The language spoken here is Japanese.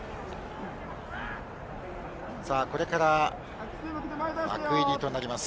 これから枠入りとなります。